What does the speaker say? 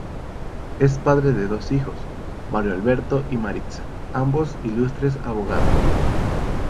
Es padre de dos hijos, Mario Alberto y Maritza, ambos ilustres abogados.